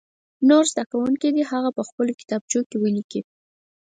نور زده کوونکي دې هغه په خپلو کتابچو کې ولیکي.